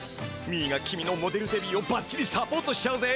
ミーが君のモデルデビューをバッチリサポートしちゃうぜ！